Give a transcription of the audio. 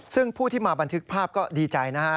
ซึ่งผู้ที่มาบันทึกภาพก็ดีใจนะฮะ